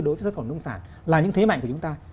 đối với xuất khẩu nông sản là những thế mạnh của chúng ta